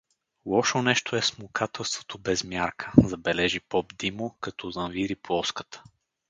— Лошо нещо е смукателството без мярка — забележи поп Димо, като навири плоската.